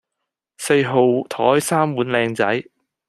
四號枱三碗靚仔